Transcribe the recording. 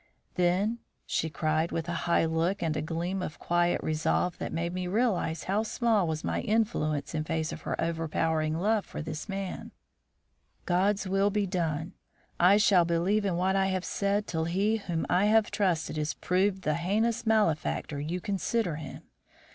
"Then," she cried, with a high look and a gleam of quiet resolve that made me realise how small was my influence in face of her overpowering love for this man, "God's will be done! I shall believe in what I have said till he whom I have trusted is proved the heinous malefactor you consider him.